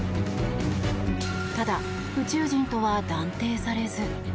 ただ、宇宙人とは断定されず。